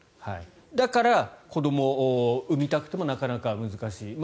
だから、子どもを産みたくてもなかなか難しい。